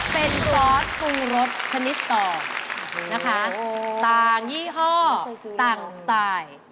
เป็นซอสปรุงรสชนิดต่อนะคะต่างยี่ห้อต่างสไตล์